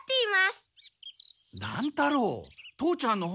乱太郎父ちゃんの本